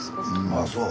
ああそう。